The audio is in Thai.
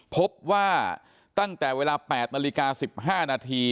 พบว่าตั้งแต่เวลา๘นาฬิกา๑๕นาที